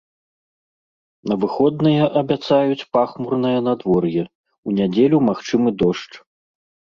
На выходныя абяцаюць пахмурнае надвор'е, у нядзелю магчымы дождж.